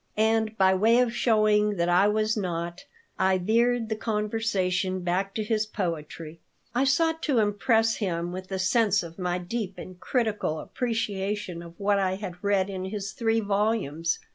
And by way of showing that I was not, I veered the conversation back to his poetry. I sought to impress him with a sense of my deep and critical appreciation of what I had read in his three volumes.